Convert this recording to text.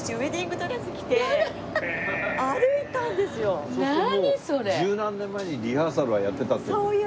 そうするともう十何年前にリハーサルはやってたっていう。